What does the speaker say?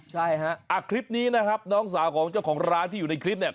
ใช่ฮะอ่ะคลิปนี้นะครับน้องสาวของเจ้าของร้านที่อยู่ในคลิปเนี่ย